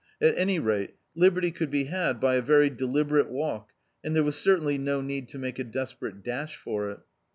At any rate, liberty could be had by a very deliberate walk and there was certainly no need to make a desperate dash for it.